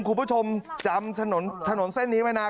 คุณผู้ชมจำถนนเส้นนี้ไว้นาน